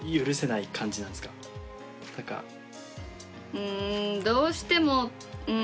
うんどうしてもうん。